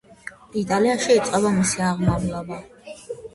იტალიაში იწყება მისი აღმავლობა.